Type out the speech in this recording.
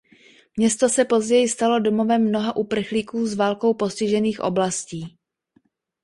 Město se později stalo domovem mnoha uprchlíků z válkou postižených oblastí.